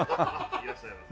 いらっしゃいませ。